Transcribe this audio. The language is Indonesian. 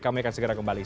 kami akan segera kembali